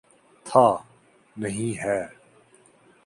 تھا، نہیں ہے۔